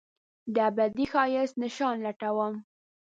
دابدي ښایست نشان لټوم